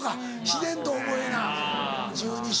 自然と覚えな十二支。